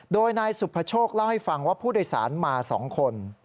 โดยนายสุภโชคเล่าให้ฟังว่าผู้โดยสารมา๒คน